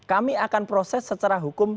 kami akan proses secara hukum